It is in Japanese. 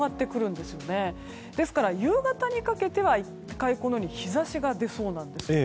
ですから、夕方にかけては１回このように日差しが出そうなんですよね。